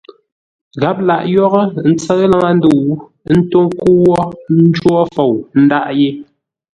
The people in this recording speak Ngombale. Gháp lâʼ yórə́, ə́ ntsə́ʉ laŋə́-ndə̂u, ə́ ntó ńkə́u wó ńjwó fou ńdâʼ yé.